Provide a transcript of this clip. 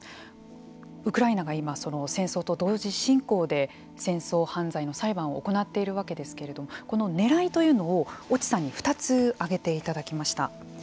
ウクライナが今戦争と同時進行で戦争犯罪の裁判を行っているわけですけれどもこのねらいというのを越智さんに２つ挙げていただきました。